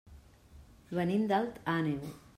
Venim d'Alt Àneu.